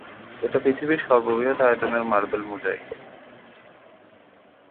এটি পৃথিবীর সর্ববৃহৎ আয়তনের মার্বেল মোজাইক।